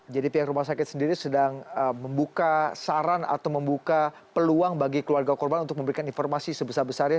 jadi pihak rumah sakit sendiri sedang membuka saran atau membuka peluang bagi keluarga korban untuk memberikan informasi sebesar besarnya